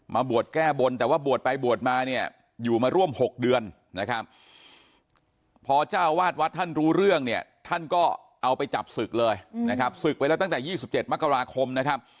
มาบวชแก้บนแต่ว่าบวชไปบวชมาเนี่ยอยู่มาร่วม๖เดือนนะครับพอเจ้าวาดวัดท่านรู้เรื่องเนี่ยท่านก็เอาไปจับศึกเลยนะครับศึกไปแล้วตั้งแต่๒๗มกราคมนะครับ